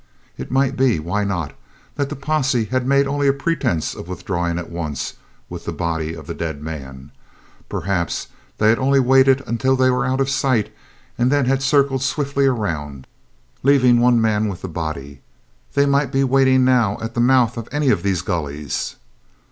It might be why not? that the posse had made only a pretense of withdrawing at once with the body of the dead man. Perhaps they had only waited until they were out of sight and had then circled swiftly around, leaving one man with the body. They might be waiting now at the mouth of any of these gullies.